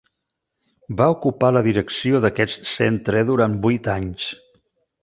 Va ocupar la direcció d'aquest centre durant vuit anys.